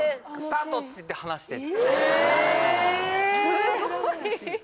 すごい。